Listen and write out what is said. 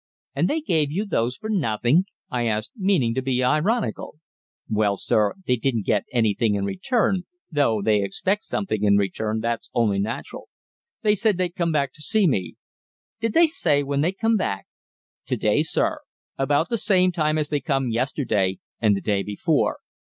"And they gave you those for nothing?" I asked, meaning to be ironical. "Well, sir, they didn't get anything in return, though they expect something in return that's only natural. They said they'd come back to see me." "Did they say when they'd come back?" "To day, sir, about the same time as they come yesterday and the day before."